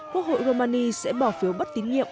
quốc hội romani sẽ bỏ phiếu bất tín nhiệm